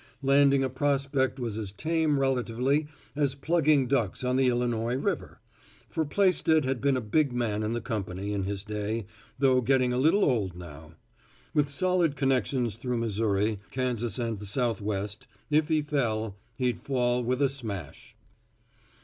Landing a prospect was as tame relatively as plugging ducks on the Illinois River. For Plaisted had been a big man in the company in his day, though getting a little old now. With solid connections through Missouri, Kansas and the Southwest, if he fell, he'd fall with a smash.